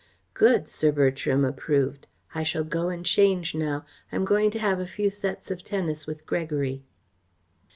"Good!" Sir Bertram approved. "I shall go and change now. I am going to have a few sets of tennis with Gregory."